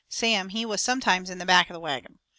Sam, he was sometimes in the back of the wagon.